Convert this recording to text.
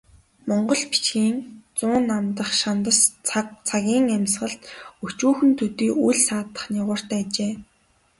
Монгол бичгийн зуун дамнах шандас цаг цагийн амьсгалд өчүүхэн төдий үл саатах нигууртай ажээ.